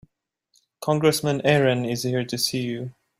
Congressman Aaron is here to see you.